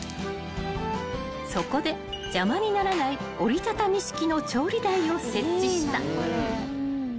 ［そこで邪魔にならない折り畳み式の調理台を設置した］